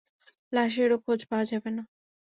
লাশেরও খোঁজ পাওয়া যাবে না।